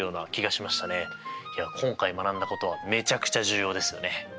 今回学んだことはめちゃくちゃ重要ですよね！